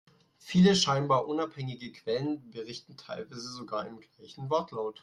Viele scheinbar unabhängige Quellen, berichten teilweise sogar im gleichen Wortlaut.